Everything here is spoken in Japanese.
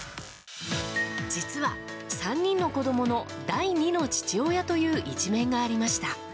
実は、３人の子供の第２の父親という一面がありました。